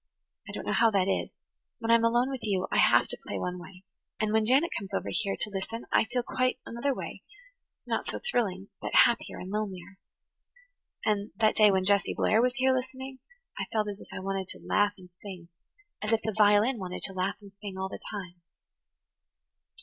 I don't know how that is. When I'm alone with you I have to play one way; and when Janet comes over here to listen I feel quite [Page 87] another way–not so thrilling, but happier and lonelier. And that day when Jessie Blair was here listening I felt as if I wanted to laugh and sing–as if the violin wanted to laugh and sing all the time."